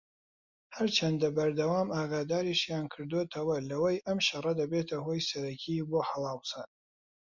هەرچەندە بەردەوام ئاگاداریشیان کردۆتەوە لەوەی ئەم شەڕە دەبێتە هۆی سەرەکیی بۆ هەڵاوسان